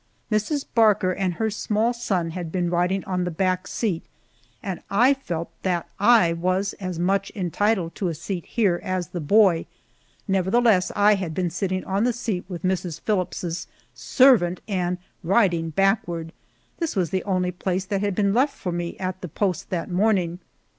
Mrs. Barker and her small son had been riding on the back seat, and I felt that I was as much entitled to a seat here as the boy, nevertheless I had been sitting on the seat with Mrs. Phillips's servant and riding backward. This was the only place that had been left for me at the post that morning.